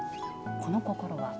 この心は？